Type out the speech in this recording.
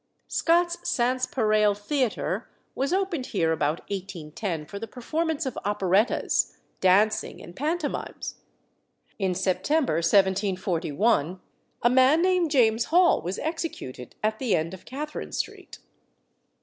Scott's Sanspareil Theatre was opened here about 1810 for the performance of operettas, dancing, and pantomimes. In September 1741 a man named James Hall was executed at the end of Catherine Street.